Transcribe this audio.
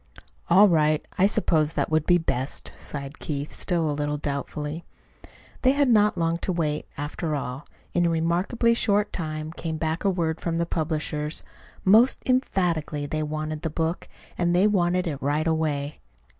"All right. I suppose that would be best," sighed Keith, still a little doubtfully. They had not long to wait, after all. In a remarkably short time came back word from the publishers. Most emphatically they wanted the book, and they wanted it right away.